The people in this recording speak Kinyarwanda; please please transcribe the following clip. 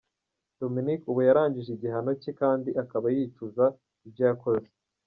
Dominique ubu yarangije igihano cye kandi akaba yicuza ibyo yakoze.